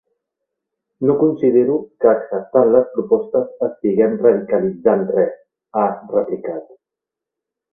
No considero que acceptant les propostes estiguem radicalitzant res, ha replicat.